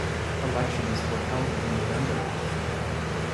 Elections were held in November.